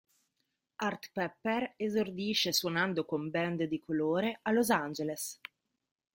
Art Pepper esordisce suonando con band di colore a Los Angeles.